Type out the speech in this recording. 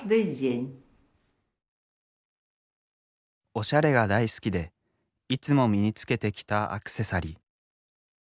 おしゃれが大好きでいつも身につけてきたアクセサリー。